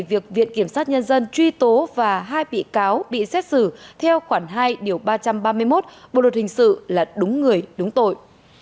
việc viện kiểm sát nhân dân truy tố và hai bị cáo bị xét xử theo khoản hai điều ba trăm ba mươi một bộ luật hình sự là đúng người đúng tội